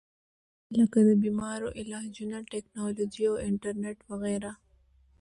لکه د بيمارو علاجونه ، ټېکنالوجي او انټرنيټ وغېره